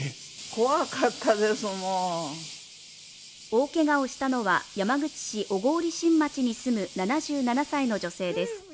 大けがをしたのは山口市小郡新町に住む７７歳の女性です。